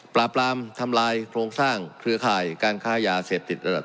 ปราบรามทำลายโครงสร้างเครือข่ายการค้ายาเสพติดระดับ